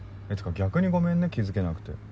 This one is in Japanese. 逆にごめんね気付けなくて。